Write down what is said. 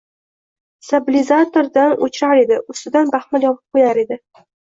Stabilizatordan o‘chirar edi. Ustidan baxmal yopib qo‘yar edi.